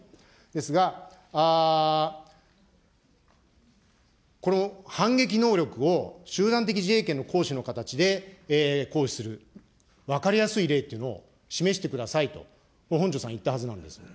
ですが、この反撃能力を、集団的自衛権の行使の形で行使する、分かりやすい例というのを示してくださいと、本庄さん言ったはずなんですよ。